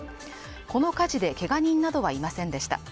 この火事でけが人などはいませんでした。